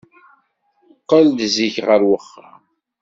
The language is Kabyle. Qqel-d zik ɣer uxxam.